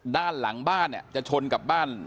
ด้านหลังบ้านจะชนกับบ้าน